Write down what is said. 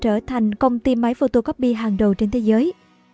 trở thành công ty máy photocopy hàng đầu trên thế giới